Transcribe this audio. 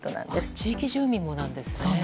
地域住民もなんですね。